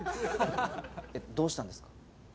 えっどうしたんですか？